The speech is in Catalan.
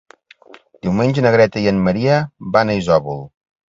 Diumenge na Greta i en Maria van a Isòvol.